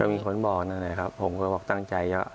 ก็มีคนบอกนั่นแหละครับผมก็ตั้งใจ